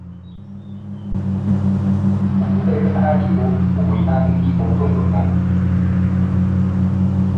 Baatuweerezaayo ku buyambi obutonotono.